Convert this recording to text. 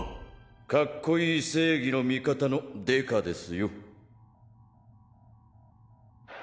かっこいい正義の味方の刑事ですよ。